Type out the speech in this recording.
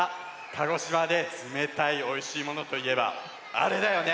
鹿児島でつめたいおいしいものといえばあれだよね！